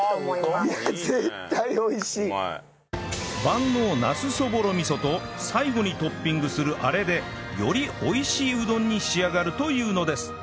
万能なすそぼろ味噌と最後にトッピングするあれでより美味しいうどんに仕上がるというのです